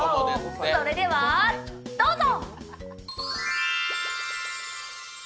それではどうぞ！